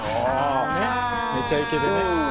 『めちゃイケ』でね。